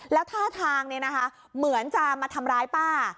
แล้วท่าทางเหมือนจะมาทำร้ายป้า